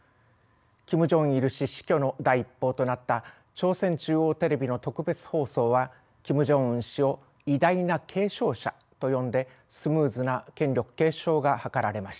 キム・ジョンイル氏死去の第一報となった朝鮮中央テレビの特別放送はキム・ジョンウン氏を「偉大な継承者」と呼んでスムーズな権力継承が図られました。